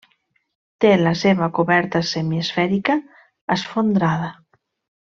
Té la seva coberta semiesfèrica esfondrada.